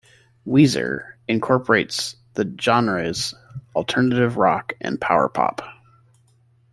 "Weezer" incorporates the genres alternative rock and power pop.